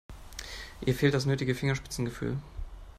Ihr fehlt das nötige Fingerspitzengefühl.